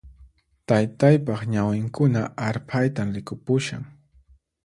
Taytaypaq ñawinkuna arphaytan rikupushan